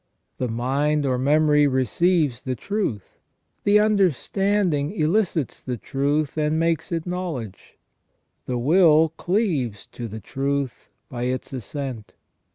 The mind or memory receives the truth, the understanding elicits the truth and makes it knowledge, the will cleaves to the truth by its assent.